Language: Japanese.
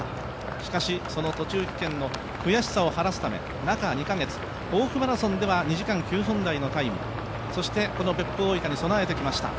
しかし、その途中棄権の悔しさをはらすため中２ヶ月、防府読売マラソンでは２時間９分台のタイム、そしてこの別府大分んじ備えてきました。